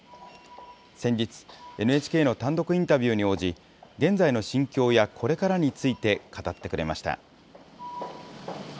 先日、ＮＨＫの単独インタビューに応じ、現在の心境や、これからについて語ってくれました。